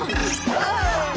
ああ！